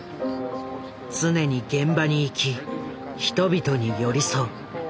常に現場に行き人々に寄り添う。